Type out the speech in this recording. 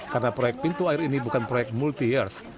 karena proyek pintu air ini bukan proyek multi years